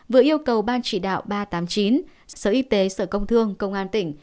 vừa yêu cầu ban chỉ đạo ba trăm tám mươi chín sở y tế sở công thương công an tỉnh